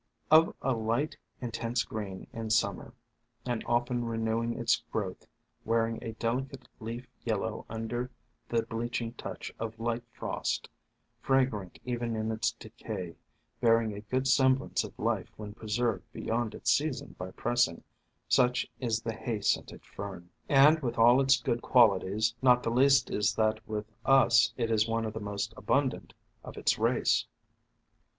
Of a light, intense green in Summer, and often renewing its growth, wearing a delicate leaf yellow un der the bleaching touch of light frost, fragrant even in its decay, bearing a good semblance of life when preserved beyond its season by pressing, — such is the Hay 2O8 THE FANTASIES OF FERNS scented Fern. And with all its good qualities, not the least is that with us it is one of the most abundant of its race.